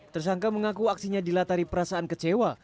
tersangka mengaku aksinya dilatari perasaan kecewa